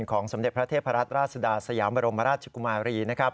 สมเด็จพระเทพรัตนราชสุดาสยามบรมราชกุมารี